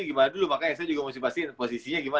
gimana dulu makanya saya juga mesti pastiin posisinya gimana